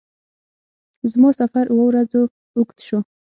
زما سفر اووه ورځو اوږد شو.